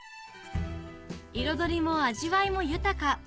彩りも味わいも豊か